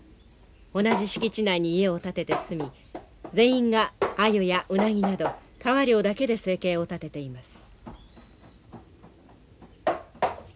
同じ敷地内に家を建てて住み全員がアユやウナギなど川漁だけで生計を立てています。